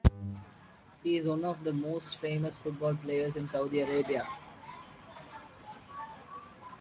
He is one of the most famous football players in Saudi Arabia.